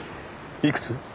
いくつ？